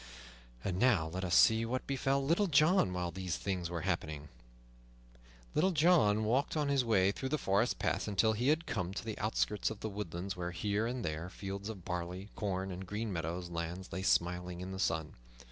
And now let us see what befell Little John while these things were happening. Little John walked on his way through the forest paths until he had come to the outskirts of the woodlands, where, here and there, fields of barley, corn, or green meadow lands lay smiling in the sun.